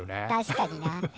確かにな。